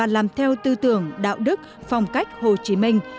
làm theo tư tưởng đạo đức phong cách hồ chí minh